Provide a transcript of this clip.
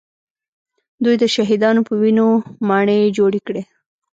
دوی د شهیدانو په وینو ماڼۍ جوړې کړې